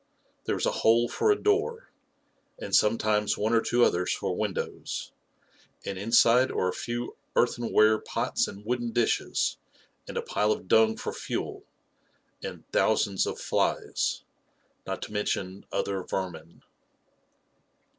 There is a hole for a door, and sometimes one or two others for windows, and inside are a few earthenware pots and wooden dishes, and a pile of dung for fuel, and thousands of flies — not to men tion other vermin